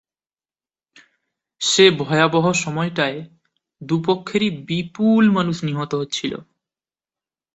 সে ভয়াবহ সময়টায় দু-পক্ষেরই বিপুল মানুষ নিহত হচ্ছিল।